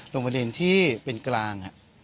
ประเด็นที่เป็นกลาง